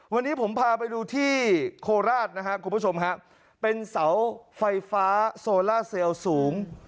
วันนี้ผมพาไปดูที่โคราชนะครับคุณผู้ชมครับเป็นเสาไฟฟ้าโซล่าเซลล์สูง